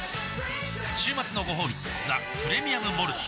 週末のごほうび「ザ・プレミアム・モルツ」